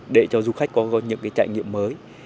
để cho du khách có những trải nghiệm mới